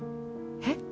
えっ？